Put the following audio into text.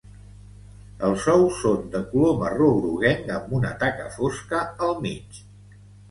Els ous són de color marró groguenc amb una taca fosca al mig.